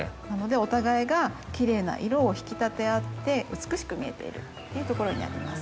お互いがきれいな色を引き立て合って美しく見えているというところにあります。